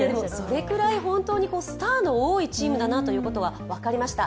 それくらい本当にスターの多いチームだなということが分かりました。